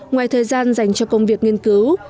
ngoài thời gian dành cho công việc nghiên cứu